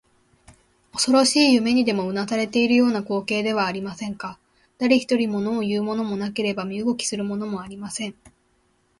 おそろしい夢にでもうなされているような光景ではありませんか。だれひとり、ものをいうものもなければ身動きするものもありません。